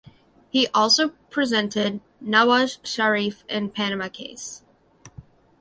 He also presented Nawaz Sharif in Panama case.